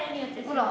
ほら。